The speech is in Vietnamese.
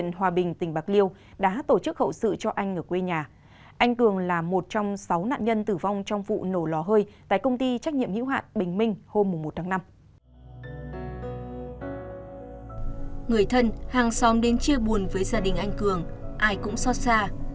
người thân hàng xóm đến chia buồn với gia đình anh cường ai cũng xót xa